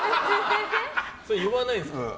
それ、言わないんですか？